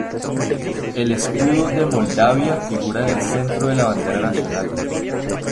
El escudo de Moldavia figura en el centro de la bandera nacional.